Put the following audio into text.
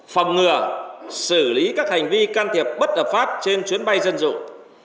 phòng ngừa xử lý các hành vi can thiệp bất hợp pháp trên chuyến bay dân dụng